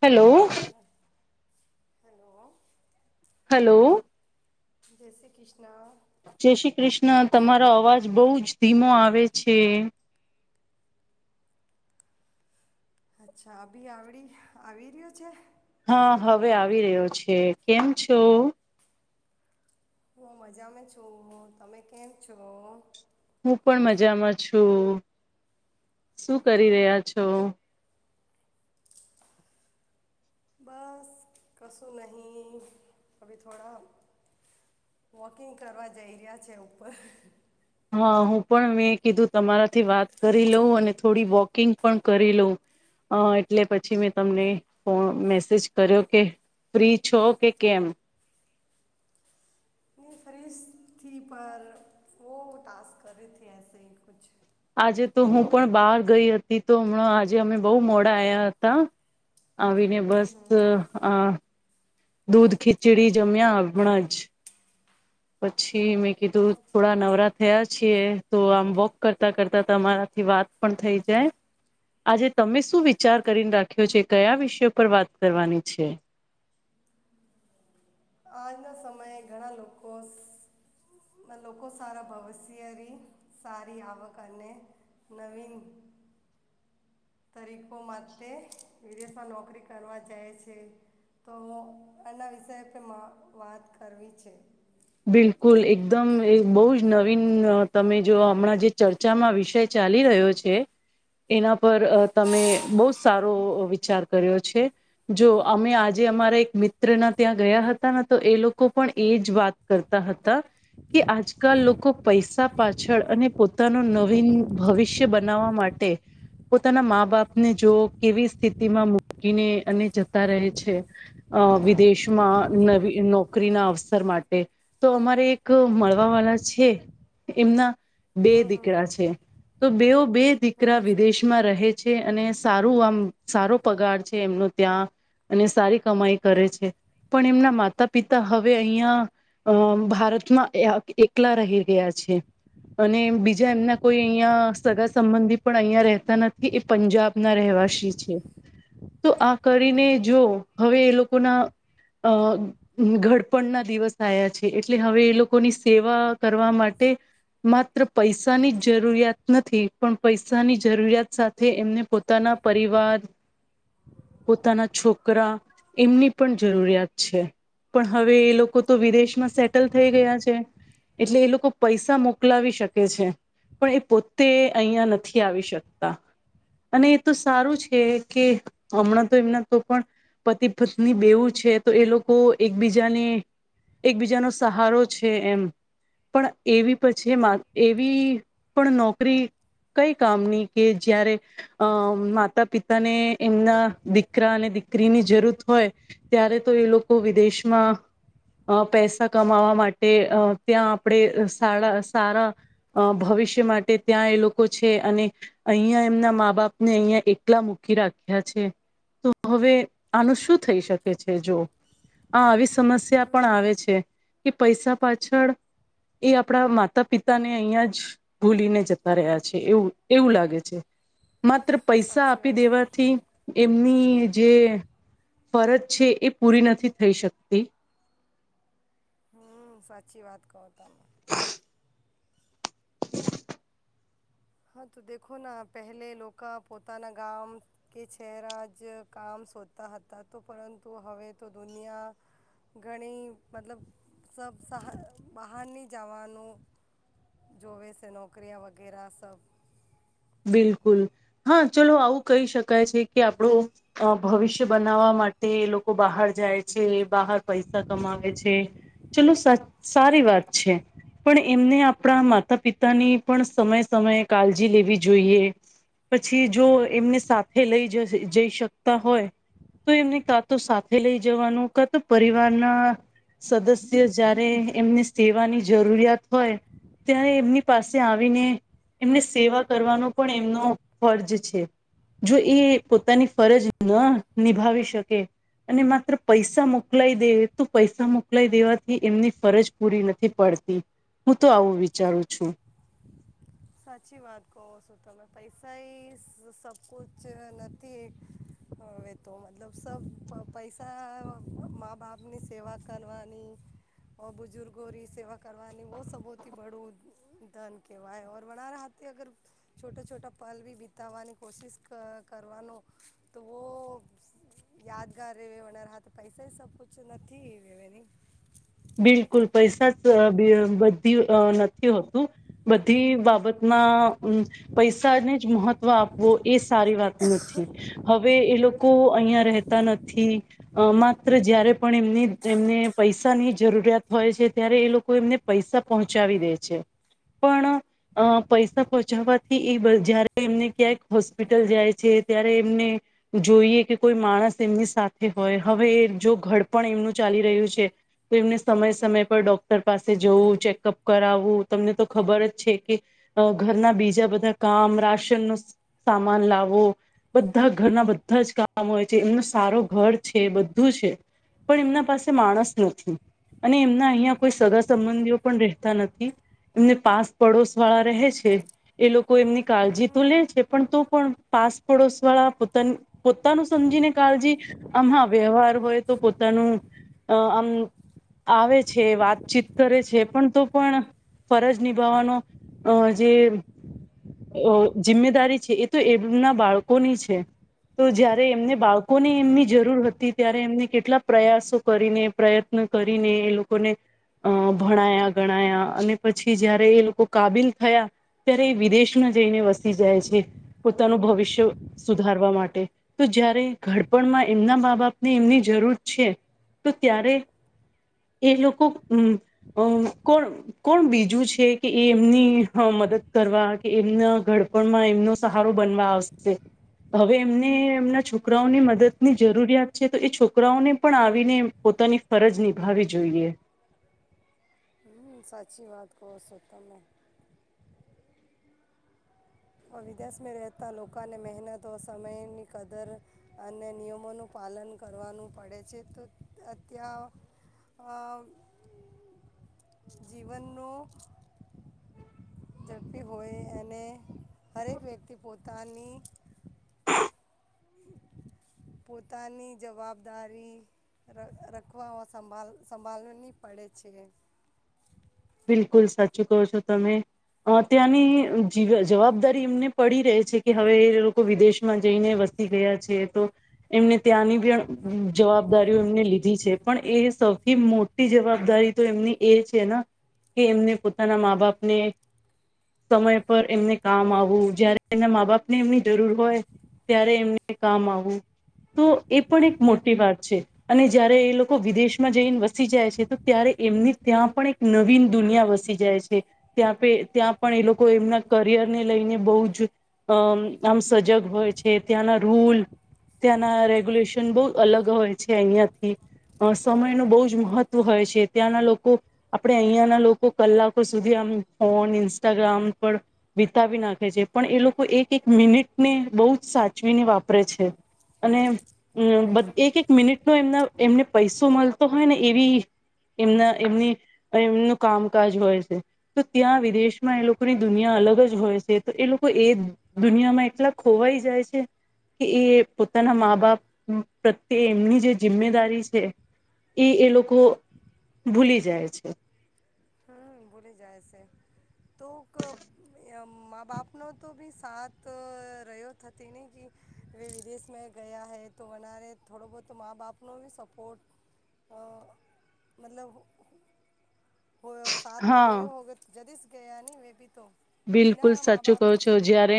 Hello. Hello. Hello. જય શ્રી ક્રિષ્ન જય શ્રી કૃષ્ણ તમારો અવાજ બઉજ ધીમો આવે છે અચ્છા આ બી આવડી આવી રહ્યો છે. હા હવે આવી રહ્યો છે કેમ છો? હું મજામાં છું તમે કેમ છો? હું પણ મજામાં છું શું કરી રહ્યા છો? બસ કશું નહી થોડા વોકિંગ કરવા જઈ રહ્યા છે ઉપર. હા હું પણ મેં કીધું તમારા થી વાત કરી લઉં અને થોડી વો કિંગ પણ કરી લઉ એટલે પછી મેં તમને ફો મેસેજ કર્યો કે ફ્રી છો કે કેમ. ની ફ્રીસ થી પર વો ટાસ્ક કરેે એસે કુછ. આજે તો હું પણ બહાર ગઈ હતી તો હમણાં આજે અમે બહુ મોડા આયા હતા. આવીને હમ બસ હમ આ દૂધ ખીચડી જમ્યા હમણાં જ. પછી મે કીધું અચ્છા થોડા નવરા થયા છે. તો આમ વોક કરતા કરતા તમારાથી વાત પણ થઈ જાય આજે તમે શું વિચાર કરીને રાખ્યો છે કયા વિષય પર વાત કરવાની છે. આજના સમયે ઘણા લોકો લોકો સારા ભવિષ્યની સારી આવક અને નવીન તરીકો માટે વિદેશમાં નોકરી કરવા જાય છે તો એના વિષય પણ વાત કરવી છે. બિલકુલ એકદમ બહુ જ નવીન તમે જો હમણાં જે ચર્ચામાં વિષય ચાલી રહ્યો છે એના પર તમે બહુ સારો વિચાર કર્યો છે જો અમે આજે અમારા એક મિત્રના ત્યાં ગયા હતા ને તો એ લોકો પણ એ જ વાત કરતા હતા કે આજકાલ લોકો પૈસા પાછળ અને પોતાનું નવીન ભવિષ્ય બનાવવા માટે પોતાના મા બાપને જો કેવી સ્થિતિમાં મૂકીને અને જતા રહે છે અ વિદેશમાં નવી નોકરીના અવસર મા ટે તો અમારે એક મળવા વાલા છે એમના બે દીકરા છે તો બેઓ બે હમ દીકરા સચ વિદેશમાં રહે. છે અને સારું આમ સારો પગાર છે એમનો ત્યાં અને સારી કમાઈ કરે છે પણ એમના માતા પિતા હવે અહિયાં અમ ભારતમાં એકલા રહી ગયા છે અને બીજા એમના કોઈ અહિયાં સગા સંબંધી પણ અહિયાં રહેતા નથી એ પંજાબના રહેવાસી છે. તો આ કરીને જો હવે એ લોકોના અ ઘડપણના દિવસ થયા છે એટલે હવે એ લોકોની સેવા કરવા માટે માત્ર પૈસાની જ જરૂરિયાત નથી પણ પૈસાની જરૂરિયાત સાથે એમને પોતાના પરિવાર પોતાના છોકરા એમની પણ જરૂરિયાત છે પણ હવે એ લોકો તો વિદેશમાં સેટલ થઈ ગયા છે એટલે એ લોકો પૈસા મોકલાવી શકે છે પણ એ પોતે અહંયા નથી આવી શકતા અને એ તો સારું છે કે હમણાં તો એમના તો પણ પતિ પત્ની બેવું છે તો એ લોકો એકબીજાને એકબીજાનો સહારો છે એમ પણ એવી પછી એવી પણ નોકરી કઈ કામની કે જય્યારે અમ માતા પિતાને એમના દીકરા અને દીકરીની જરૂર હોય ત્યારે તો એ લોકો વિદેશમાં અ પૈસા કમાવા માટે ત્યાં આપણે સારા સારા ભવિષ્ય માટે ત્યાં એ લોકો છે અને અહં એમના મા બાપને અહિયાં એકલા મૂકી રાખ્યા છે તો હવે આનું શું થઈ શકે છે જો આ આવી સમસ્યા પણ આવે છે કે પૈસા પાછળ એ આપણા માતા પિતાને અહિયાં જ ભૂલીને જતા રહ્યા છે એવું એવું લાગે છે માત્ર પૈસા સાચી આપી વાત દેવાથી એમની જે ફરજ છે એ પૂરી નથી થઈ શકતી હમ સાચી વાત કહો તમ હા તો દેખો પહેલે લોકો પોતાના ગામ કે ચહેરા જ કામ શોધતા હતા તો પરંતુ હવે તો દુનિયા ઘણી મતલબ સબ સહ બહારની જવાનું જોવે છે નોકરીિયા વગેરે સબ બિલકુલ હા ચલો આવું કહી શકાય છે કે આપણો ભવિષ્ય બનાવવા માટે લોકો બહાર જાય છે બહાર પૈસા કમાવે છે ચલો સારી વાત છે પણ એમને આપણા માતા પિતાની પણ સમય સમયે કાળજી લેવી જોઈએ પછી જો એમને સાથે લઈ જ જઈ શકતા હોય તો એમને કા તો સાથે લઈ જવાનું કા તો પરિવારના સદસ્ય જય્યારે એમને સેવાની જરૂરિયાત હોય ત્યારે એમની પાસે આવીને એમને સેવા કરવાનો પણ એમનો ફરજ છે જો એ પોતાની ફરજ ન નિભાવી શકે અને માત્ર પૈસા મોકલાઈ દે તો પૈસા મોકલાઈ દેવાથી એમની ફરજ પૂરી નથી પડતી હું તો આવું વિચારું છું સાચી વાત કહો છો તમે પૈસા એ સબક નથી હ તો મતલબ સ પૈસા મા બાપની સેવા કરવાની ઓ બુઝુર્ગોની સેવા કરવાની બ સૌથી બડું ધન કેહેવાય વણાર હાથે અગર છોટા છોટા પલ બી બિતાવાની કોશિશ કરવાનો તો વહ યાદગાર રહે વનારા હાથ પૈસા સબકછ નથીની બિલકુલ પૈસા જ બધી નથી હોતું બધી બાબતમાં પૈસાને જ મહત્વ આપવો એ સારી વાત નથી હવે એ લોકો અહીંયા રહેતા નથી માત્ર જય્યારે પણ એમની એમને પૈસાની જ [inaudible] જરૂરિયાત હોય છે ત્યારે એ લોકો એમને પૈસા પહોંચાવી દે છે પણ પૈસા પહોંચાવાથી એ જ્યારે એમને ક્યાંક હોસ્પિટલ જાય છે ત્યારે એમને જોઈએ કે કોઈ માણસ એમની સાથે હોય હવે જો ઘડપણ એમનું ચાલી રહ્યું છે તો એમને સમય સમય પર ડોક્ટર પાસે જવું ચેકઅપ કરાવવું તમને તો ખબર જ છે કે ઘરના બીજા બધા કામ રાશનનો સામાન લાવો બધા ઘરના બધા જ કામ હોય છે એમનો સારો ઘર છે બધું છે પણ એમના પાસે માણસ નથી અને એમના અહીંયા કોઈ સગા સંબંધીઓ પણ રહેતા નથી એમને પાસ પડોશ વાળા રહે છે એ લોકો કોઈ એમની કાળજી તો લે છે પણ તો પણ પાસપડોશ વાળા પોતા પોતાનું સમજીને કાળજી આમમાં વ્યવહાર હોય તો પોતાનું આમ આવે છે વાતચીત કરે છે પણ તો પણ ફરજ નિભાવવાનો અ જે જિમ્મેદારી છે એ તો એમના બાળકોની છે તો જારે એમને બાળકોની એમની જરૂર હતી ત્યારે એમને કેટલા પ્રયાસો કરીને પ્રયત્ન કરીને એ લોકોને અ ભણાયા ગણાયા અને પછી જયારે એ લોકો કાબિલ થયા ત્યારે એ વિદેશમાં જઈને વસી જાય છે પોતાનું ભવિષ્ય સુધારવા માટે તો જય્યારે ઘડપણમાં એમના મા બાપને એમની જરૂર છે તો ત્યારે એ લોકોમ કોણ કોણ બીજું છે કે એ એમની મદદ કરવા કે એમના ઘડપણમાં એમનો સહારો બનવા આવશે હવે એમને એમના છોકરાઓની મદદની જરૂરિયાત છે તો એ છોકરાઓને પણ આવીને પોતાની ફરજ નિભાવી જોઈએ હ સાચી વાત કો સોતા મેં વિદેશમાં રહેતા લોકોને મહેનતો સમયની કદર અને નિયમોનું પાલન કરવાનું પડે છે તો અત્યાં જીવનનો ઝડપી હોય અને હરેક વ્યક્તિ પોતાની પોતાની જવાબદારી રખવામાં સંભળ સંભળવી પડે છે બિલકુલ સાચું કહો છો તમે ત્યાંની જી જવાબદારી એમને પડી ર છે કે હવે એ લોકો વિદેશમાં જઈને વસી ગયા છે તો એમને ત્યાંની પણ જવાબદારીઓ એમને લીધી છે પણ એ સૌથી મોટી જવાબદારી તો એમની એ છેને કે એમને પોતાના મા બાપને સમય પર એમને કામ આવું જય્યારે એમના મા બાપને એમની જરૂર હોય ત્યારે એમને કામ આવું તો એ પણ એક મોટી વાત છે અને જયારે એ લોકો વિદેશમાં જઈને વસી જાય છે તો ત્યારે એમની ત્યાં પણન નવીન દુનિયા વસી જાય છે ત્યાં પ ત્યાં પણ એ લોકો એમના કરિયરને લઈને બહુ જ અ આમ સજગ હોય છે ત્યાંના રૂલ ત્યાંના રેગ્યુલેશન બહ અલગ હોય છે અહંથી અ સમયનું બહુ જ મહત્વ હોય છે ત્યાંના લોકો આપણે અહીંયાના લોકો કલાકો સુધી આમ ફોન ઇન્સ્ટાગ્રામ પર વિતાવી નાખે છે પણ એ લોકો એક એક મિનિટને બહુ જ સાચવીને વાપરે છે અને અ એક એક મિનિટનો એમના એમને પૈસો મળતો હોય ને એવી એમના એમની એમનું કામકાજ હોય છે તો ત્યાં વિદેશમાં એ લોકોની દુનિયા અલગ જ હોય છે તો એ લોકો એ દુનિયામાં એટલા ખોવાઈ જાય છે કે એ પોતાના મા બાપ પ્રત્યે એમની જે જિમ્મેદારી છે એ એ લોકો ભૂલી જાય છે હ ભૂલી જાય છે તો મા બાપનો તો બી સાથ રહ્યોતી નનેં કે વ વિદેશમાં ગયા હૈ તો અનારે થોડો બહુ મા બાપનો બી સપોર્ટ મતલબ હ સાત્ર હા હોગત જ ગયાની વ ભી બિલકુલ સાચું કહો છો જારે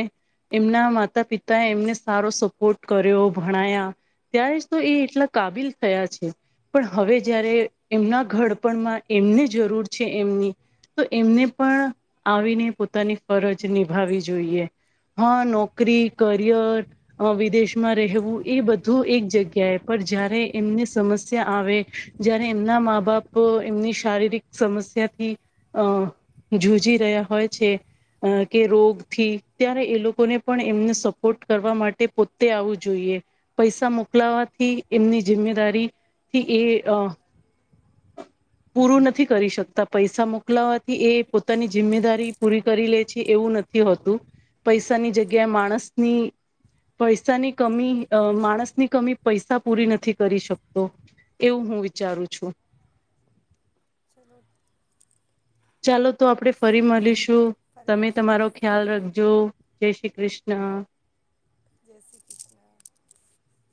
એમના માતા પિતાએ એમને સારો સપોર્ટ કર્યો ભણયા ત્યારે જ તો એ એટલા કાબિલ થયા છે પણ હવે જયારે એમના ઘડપણમાં એમને જરૂર છે એમની તો એમને પણ આવીને પોતાની ફરજ નિભાવી જોઈએ હા નોકરી કરિયર વિદેશમાં રહેવું એ બધું એક જગ્યાએ પણ જય્યારે એમને સમસ્યા આવે જય્યારે એમના મા બાપ એમની શારીરિક સમસ્યાથી અ જુજી રહ્યા હોય છે અ કે રોગથી ત્યારે એ લોકોને પણ એમને સપોર્ટ કરવા માટે પોતે આવવું જોઈએ પૈસા મોકલાવાથી એમની જિમ્મેદારી થી એ પૂરું નથી કરી શકતા પૈસા મોકલાવાથી એ પોતાની જિમ્મેદારી પૂરી કરી લે છે એવું નથી હોતું પૈસાની જગ્યાએ માણસની પૈસાની કમી માણસની કમી પૈસા પૂરી નથી કરી શકતો એવું હું વિચારું છું ચાલો ચાલો તો આપડણે ફરી મળીશું તમે પરિમશ તમારો ખ્યાલ રખજો જો, જય શ્રી કૃષ્ણ [unintelligible]